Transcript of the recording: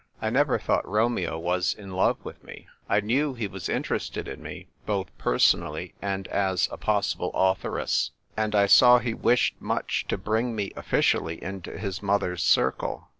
I never thought Romeo was in love with me ; I knew he was interested in me, both per sonally and as a possible authoress ; and I saw he wished much to bring me officially into his mother's circle.